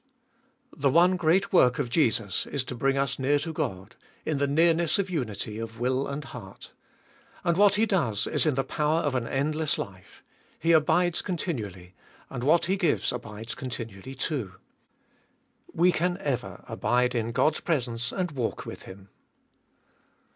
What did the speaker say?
2. The one great work of Jesus Is to bring us near to God, in the nearness of unity of will and heart. And what He does is In the power of an endless life; He abides continually, and what He gives abides continually too. We can euer abide in God's presence and walk with Him.